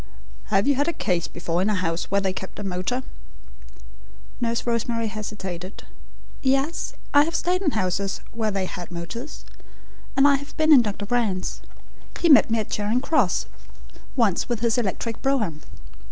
"Have you had a case before in a house where they kept a motor?" Nurse Rosemary hesitated. "Yes, I have stayed in houses where they had motors, and I have been in Dr. Brand's. He met me at Charing Cross once with his electric brougham."